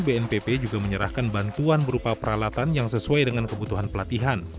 bnpp juga menyerahkan bantuan berupa peralatan yang sesuai dengan kebutuhan pelatihan